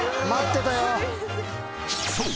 ［そう！